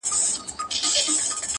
بیا به هم لمبه د شمعي له سر خېژي,